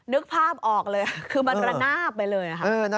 นึกภาพออกเลยคือมันระนาบไปเลยค่ะ